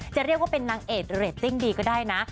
จะเรียกว่าเป็นนางเอกเรตติ้งดีก็ได้นะ